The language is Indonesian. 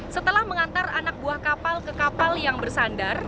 setelah mengantar anak buah kapal ke kapal yang bersandar